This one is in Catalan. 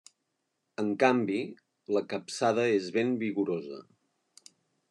En canvi, la capçada és ben vigorosa.